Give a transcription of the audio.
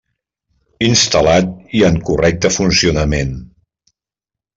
Instal·lat i en correcte funcionament.